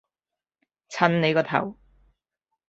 襯你個頭